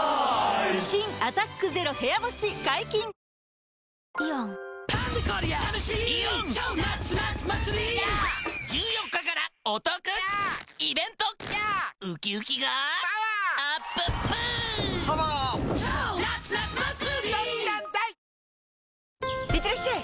新「アタックＺＥＲＯ部屋干し」解禁‼いってらっしゃい！